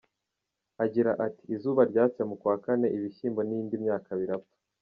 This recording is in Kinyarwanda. Agira ati “Izuba ryatse mu kwa kane ibishyimbo n’indi myaka birapfa.